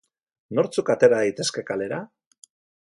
Nortzuk atera daitezke kalera?